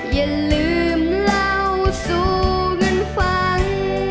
อย่าลืมเล่าสู่กันฟัง